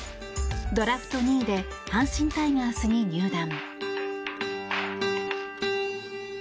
ドラフト２位で阪神タイガースに入団。